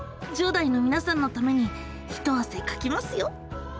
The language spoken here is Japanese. １０代のみなさんのためにひとあせかきますよ！